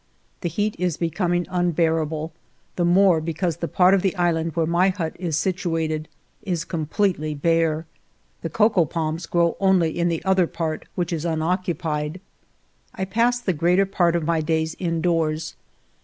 The heat is becoming unbearable ; the more because the part of the island where my hut is situated is completely bare. The cocoa palms grow only in the other part, which is unoccupied. I pass the greater part of my days indoors.